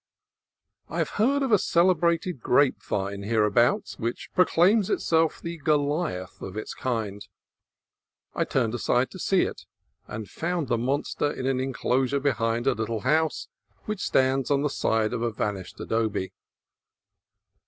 I had heard of a celebrated grapevine hereabouts which proclaims itself the Goliath of its kind. I turned aside to see it, and found the monster in an enclosure behind a little house which stands on the site of a vanished adobe.